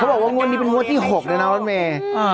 เขาบอกว่างวดนี้มันงวดที่๖เนอะนะอ้วนแม่